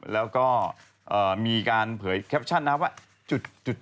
แล้วก็มีการเผยแคปชั่นว่าจุด